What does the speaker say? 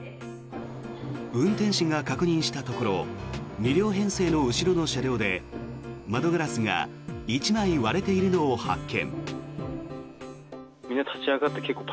運転士が確認したところ２両編成の後ろの車両で窓ガラスが１枚割れているのを発見。